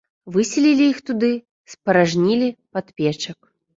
Выселілі іх туды, спаражнілі падпечак.